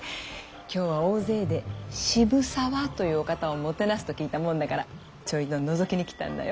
今日は大勢で渋沢というお方をもてなすと聞いたもんだからちょいとのぞきに来たんだよ。